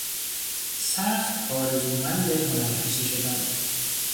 سخت آرزومند هنرپیشه شدن